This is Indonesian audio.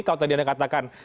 kalau tadi anda katakan